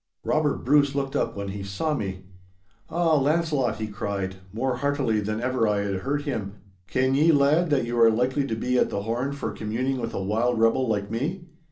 Robert Bruce looked up when he saw me. 'Ah, Launcelot,' he cried, more heartily than ever I had heard him, 'ken ye, lad, that you are likely to be at the horn for communing with a wild rebel like me?